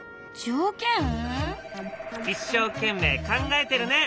一生懸命考えてるね。